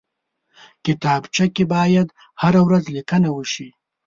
کتابچه کې باید هره ورځ لیکنه وشي